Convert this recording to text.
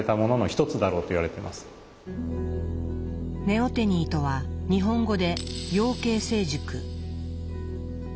ネオテニーとは日本語で幼形成熟。